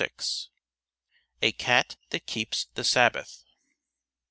_] A CAT THAT KEEPS THE SABBATH.